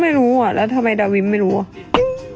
ไม่รู้อ่ะแล้วทำไมดาวิมไม่รู้อ่ะ